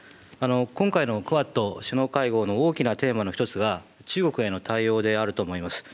今回のクアッド首脳会合の大きなテーマの一つが、中国への対応であると思います。